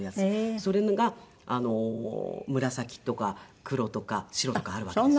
それが紫とか黒とか白とかあるわけです。